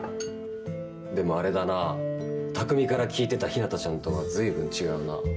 でもあれだな匠から聞いてた陽向ちゃんとはずいぶん違うな。